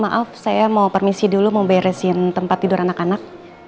maaf saya mau permisi dulu memberesin tempat tidur anak anak